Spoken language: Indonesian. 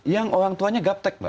yang orang tuanya gap tech mbak